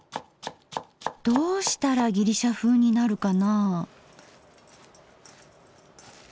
どうしたらギリシャふうになるかな？